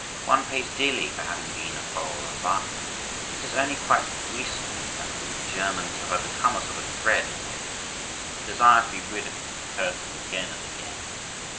One pays dearly for having been a follower of Wagner. It is only quite recently that the Germans have overcome a sort of dread of him,—the desire to be rid of him occurred to them again and again.